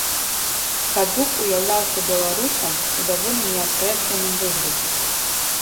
Кадук уяўляўся беларусам у даволі неакрэсленым выглядзе.